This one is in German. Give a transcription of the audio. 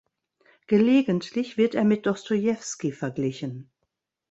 Gelegentlich wird er mit Dostojewski verglichen.